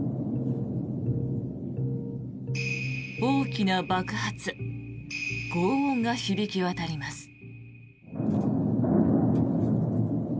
大きな爆発ごう音が響き渡ります。